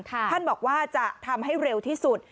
ท่านบอกว่าจะทำให้เร็วที่สุด